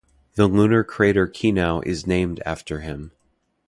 The lunar crater Kinau is named after him.